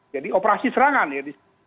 jadi operasi serangan ya